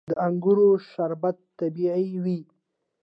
د انګورو شربت طبیعي وي.